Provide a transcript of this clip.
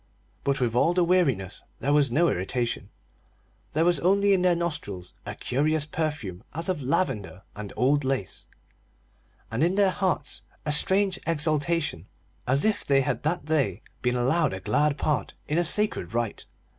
But with all the weariness, there was no irritation; there was only in their nostrils a curious perfume as of lavender and old lace, and in their hearts a strange exaltation as if they had that day been allowed a glad part in a sacred rite.